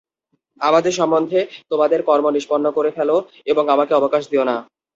আমার সম্বন্ধে তোমাদের কর্ম নিম্পন্ন করে ফেল এবং আমাকে অবকাশ দিও না।